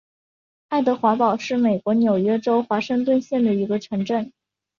爱德华堡是美国纽约州华盛顿县的一个城镇。